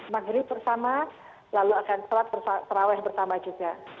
maghrib bersama lalu akan sholat terawih bersama juga